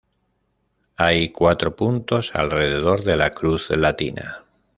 Hay cuatro puntos alrededor de la cruz latina.